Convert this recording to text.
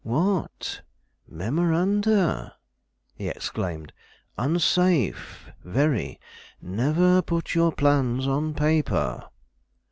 "What! memoranda?" he exclaimed. "Unsafe, very; never put your plans on paper."